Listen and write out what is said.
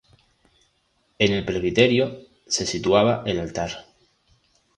En el presbiterio, se situaba el altar.